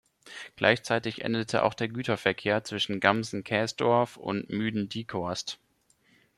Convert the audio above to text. Gleichzeitig endete auch der Güterverkehr zwischen Gamsen-Kästorf und Müden-Dieckhorst.